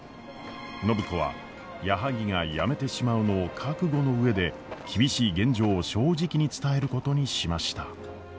暢子は矢作が辞めてしまうのを覚悟の上で厳しい現状を正直に伝えることにしました。